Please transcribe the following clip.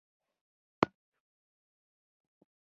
د کرنیزو محصولاتو ارزښت راټيټ شوی دی.